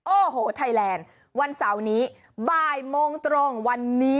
โอ้โหไทยแลนด์วันเสาร์นี้บ่ายโมงตรงวันนี้